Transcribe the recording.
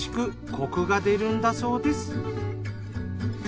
コクが出るんだそうです。